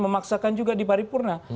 memaksakan juga di pari purna